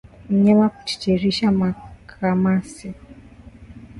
Mnyama kutiririsha makamasi